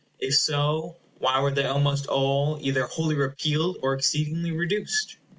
If so, why were they almost all either wholly repealed, or exceedingly reduced?